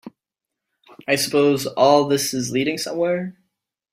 I suppose all this is leading somewhere?